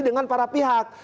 dengan para pihak